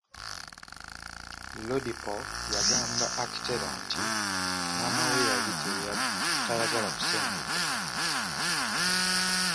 Lodipo y'agamba Akitela nti maama we yali tayagala kusenguka.